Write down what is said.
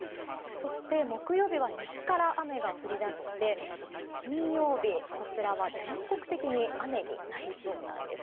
そして、木曜日は西から雨が降り出して金曜日は全国的に雨になりそうです。